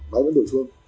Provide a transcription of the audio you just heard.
máy vẫn đổ chuông